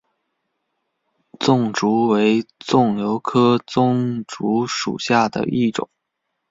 棕竹为棕榈科棕竹属下的一个种。